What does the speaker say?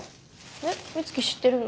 えっ美月知ってるの？